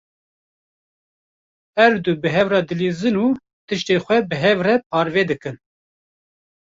Her du bi hev re dilîzin û tiştên xwe bi hev re parve dikin.